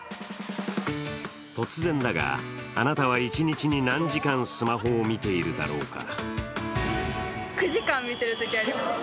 突然だが、あなたは一日に何時間スマホを見ているだろうか。